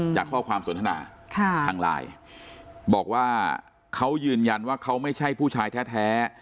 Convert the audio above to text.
จากข้อความสนทนาทางไลน์บอกว่าเขายืนยันว่าเขาไม่ใช่ผู้ชายแท้